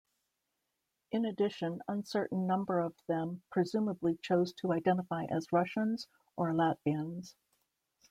In addition uncertain number of them presumably chose to identify as Russians or Latvians.